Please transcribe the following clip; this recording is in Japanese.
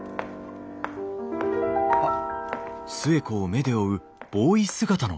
あっ。